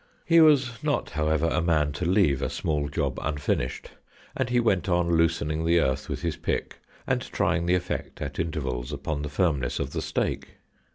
He was not, however, a man to leave a small job unfinished, and he went on loosening the earth with his pick, and trying the effect, at intervals, upon the firmness of the stake.